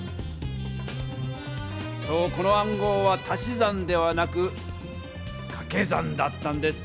そうこの暗号は足し算ではなくかけ算だったんです。